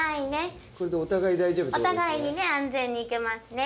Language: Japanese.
お互いにね安全に行けますね。